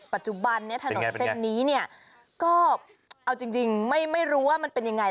ปัจจุบันนี้ถนนเส้นนี้เนี่ยก็เอาจริงไม่รู้ว่ามันเป็นยังไง